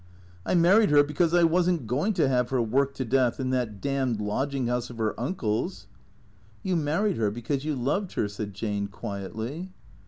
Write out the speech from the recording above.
I married her because I wasn't going to have her worked to death in that damned lodging house of her uncle's." " You married her because you loved her," said Jane quietly.